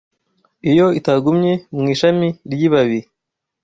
Iyo itagumye mu ishami ryibabi